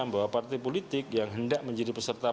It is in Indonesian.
bahwa partai politik yang hendak menjadi peserta